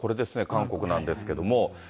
韓国なんですけども。